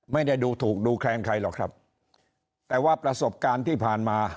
ไม่ได้ดูถูกดูแคลงใครหรอกครับแต่ว่าประสบการณ์ที่ผ่านมา